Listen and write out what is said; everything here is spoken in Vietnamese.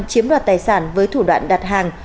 chiếm đoạt tài sản với thủ đoạn đặt hàng